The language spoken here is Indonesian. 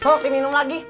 sok diminum lagi